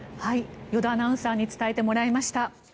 依田アナウンサーに伝えてもらいました。